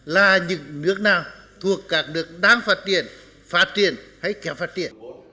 là những nước nào thuộc các nước đang phát triển phát triển hay kém phát triển